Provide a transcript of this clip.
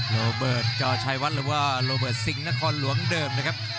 โรเบิร์ตจอชัยวัดหรือว่าโรเบิร์ตซิงนครหลวงเดิมนะครับ